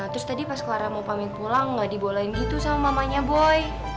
terus tadi pas keluar mau pamit pulang gak dibolehin gitu sama mamanya boy